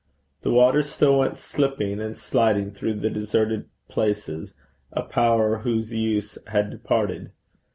The water still went slipping and sliding through the deserted places, a power whose use had departed.